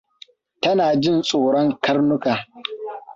Tana jin tsoron karnuka.